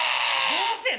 動物園？